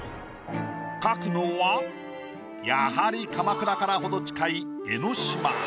描くのはやはり鎌倉から程近い。